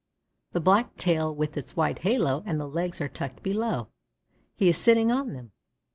The black tail with its white halo, and the legs, are tucked below. He is sitting on them.